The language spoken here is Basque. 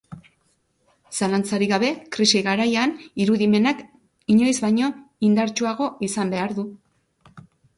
Zalantzarik gabe, krisi garaian irudimenak inoiz baino indartsuagoa izan behar du.